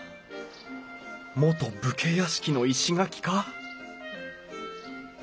元武家屋敷の石垣か？